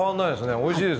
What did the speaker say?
おいしいです。